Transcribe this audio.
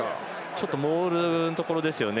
ちょっとモールのところですよね。